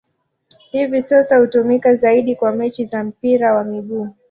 Hivi sasa hutumika zaidi kwa mechi za mpira wa miguu.